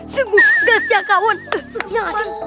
sengguh gak setia kawan